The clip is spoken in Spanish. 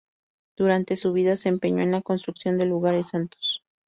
Durante su vida se empeñó en la construcción de lugares santos.